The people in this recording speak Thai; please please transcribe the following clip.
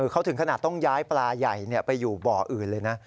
เขาถึงขนาดต้องย้ายปลาใหญ่ไปอยู่บ่ออื่นเลยนะ